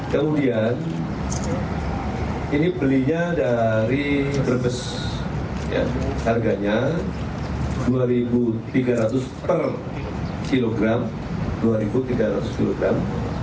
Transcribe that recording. kemudian ini belinya dari brebes harganya rp dua tiga ratus per kilogram dua tiga ratus kilogram